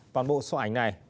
toàn bộ số ảnh này